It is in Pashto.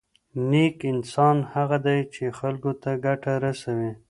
نېک انسان هغه دی چې خلکو ته ګټه رسوي.